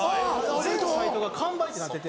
全サイトが完売ってなってて。